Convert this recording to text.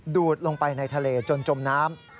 ดูดลงไปในทะเลจนจมน้ำ